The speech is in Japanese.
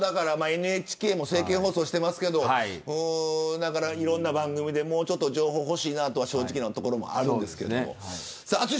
ＮＨＫも政見放送していますけれどいろんな番組で情報、欲しいなとは正直なところあるんですよ。